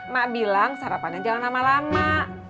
mak bilang sarapannya jangan lama lama